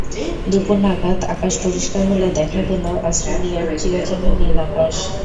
দুপুর নাগাদ আকাশ পরিষ্কার হলে দেখা গেল অস্ট্রেলিয়ার চিরচেনা নীল আকাশ।